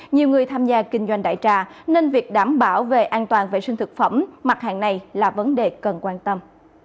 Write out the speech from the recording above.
nhiều người tham gia kinh doanh đại trà nên việc đảm bảo về an toàn vệ sinh thực phẩm mặt hàng này là vấn đề cần quan tâm